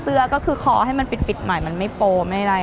เสื้อก็คือคอให้มันปิดหน่อยมันไม่โปรไม่อะไร